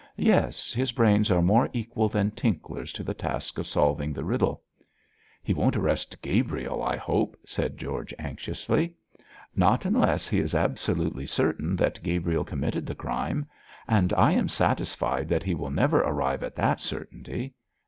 'Yes, his brains are more equal than Tinkler's to the task of solving the riddle.' 'He won't arrest Gabriel, I hope,' said George, anxiously. 'Not unless he is absolutely certain that Gabriel committed the crime; and I am satisfied that he will never arrive at that certainty.'